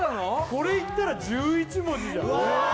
これ言ったら１１文字じゃんうわ！